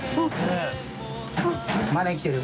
まだ生きてるよ。